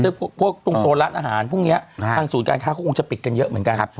พวกตรงโซนร้านอาหารพวกนี้ทางศูนย์การค้าก็คงจะปิดกันเยอะเหมือนกัน